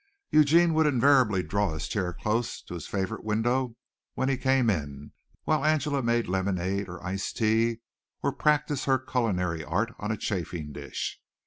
Eugene would invariably draw his chair close to his favorite window when he came in, while Angela made lemonade or iced tea or practised her culinary art on a chafing dish.